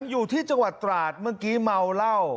อยู่ที่จังหวัดตราดเมื่อกี้เมาเหล้า